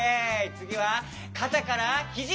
つぎはかたからひじ！